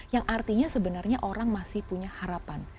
yang artinya sebenarnya orang masih punya harapan